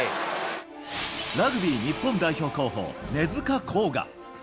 ラグビー日本代表候補、根塚洸雅。